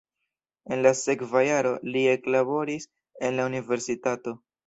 En la sekva jaro li eklaboris en la universitato.